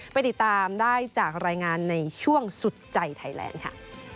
ไปติดตามได้จากรายงานในช่วงสุดใจไทยแลนด์ค่ะ